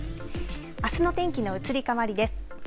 あすの天気の移り変わりです。